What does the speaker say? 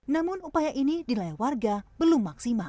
namun upaya ini dilayah warga belum maksimal